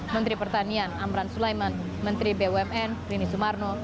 menteri pertanian amran sulaiman menteri bumn rini sumarno